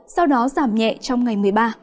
sau đó giảm nhẹ trong ngày một mươi ba